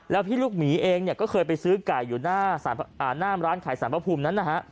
แล้วพี่ลูกหมีเองเนี่ยก็เคยไปซื้อไก่อยู่หน้าร้านขายสารพระภูมินั้นนะฮะ